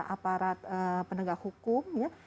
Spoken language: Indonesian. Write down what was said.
aparat penegak hukum